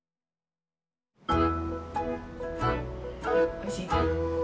おいしい？